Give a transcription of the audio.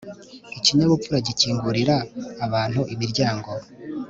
ikinyabupfura gukingurira abantu imiryango